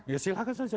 ya silahkan saja